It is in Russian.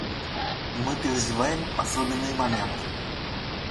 Мы переживаем особенный момент.